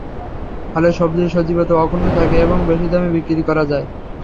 ফলে সবজির সজীবতা অক্ষুণ্ন থাকে এবং বেশি দামে বিক্রি করা যায়।